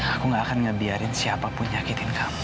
aku gak akan ngebiarin siapapun nyakitin kamu